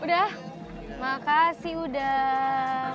sudah makasih sudah